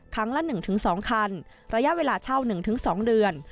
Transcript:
ครั้งละ๑๒คันระยะเวลาเช่า๑๒เดือน